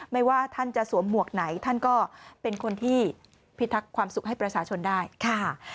ไม่ว่าท่านจะสวมหมวกไหนท่านก็เป็นคนที่พิทักษ์ความสุขให้ประชาชนได้ค่ะ